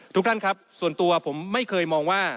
ทุกท่านครับส่วนตัวผมไม่เคยมองว่า